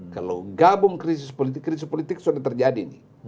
kalau gabung krisis politik krisis politik sudah terjadi nih